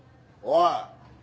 おい！